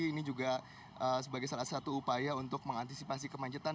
ini juga sebagai salah satu upaya untuk mengantisipasi kemacetan